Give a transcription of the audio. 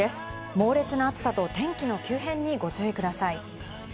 猛烈な暑さと天気の急変にご注意ください。